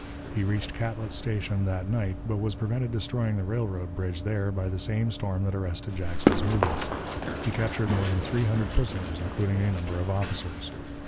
He reached Catlet's Station that night, but was prevented destroying the railroad bridge there by the same storm that arrested Jackson's movements. He captured more than three hundred prisoners, including a number of officers.